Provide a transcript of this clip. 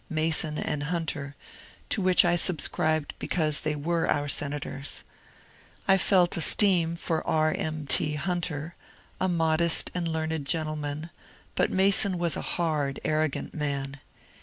Mason and Hunter, to which I subscribed because they were our senators. I felt esteem for B. M. T. Hunter, — a modest and learned gentleman, — but Mason was a hard, arrogant man.